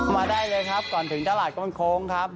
มาได้เลยครับก่อนถึงตลาดต้นโค้งครับ